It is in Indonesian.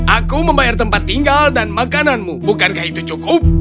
aku membayar tempat tinggal dan makananmu bukankah itu cukup